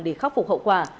để khắc phục hậu quả